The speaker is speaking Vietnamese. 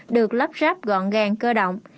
được lắp ráp gọn gàng cơ động